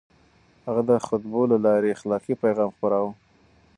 هغه د خطبو له لارې اخلاقي پيغام خپراوه.